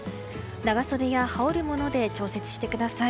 長袖や、羽織るもので調節してください。